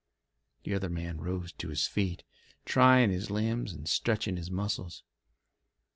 The other man rose to his feet, trying his limbs and stretching his muscles.